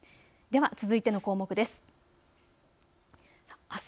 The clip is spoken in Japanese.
では続いての項目です。